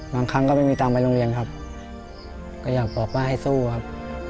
บางครั้งก็ไม่มีตังค์ไปโรงเรียนครับก็อยากบอกว่าให้สู้ครับ